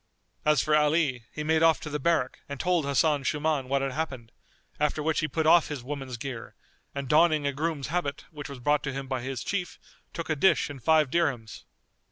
As for Ali, he made off to the barrack and told Hasan Shuman what had happened, after which he put off his woman's gear and donning a groom's habit which was brought to him by his chief took a dish and five dirhams.